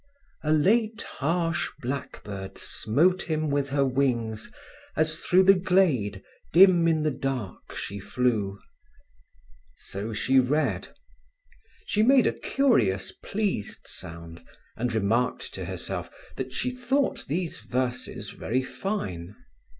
A late, harsh blackbird smote him with her wings, As through the glade, dim in the dark, she flew…. So she read. She made a curious, pleased sound, and remarked to herself that she thought these verses very fine.